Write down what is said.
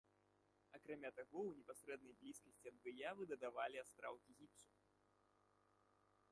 Акрамя таго, у непасрэднай блізкасці ад выявы дадавалі астраўкі гіпсу.